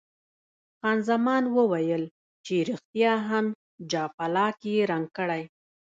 خان زمان ویل چې ریښتیا هم جاپلاک یې رنګ کړی.